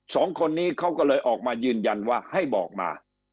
สองคนนี้เขาก็เลยออกมายืนยันว่าให้บอกมา